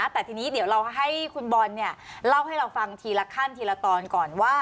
แต่ทีนี้เดี๋ยวเราให้คุณบอลเล่าให้เราฟังทีละขั้นทีละตอนก่อนว่า